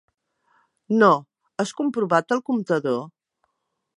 No, has comprovat el comptador?